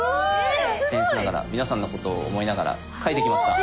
せん越ながら皆さんのことを思いながら書いてきました！